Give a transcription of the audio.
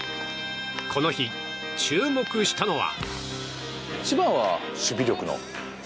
この日、注目したのは。